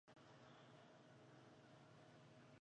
玉山四节蜱为节蜱科四节蜱属下的一个种。